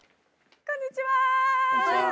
こんにちは！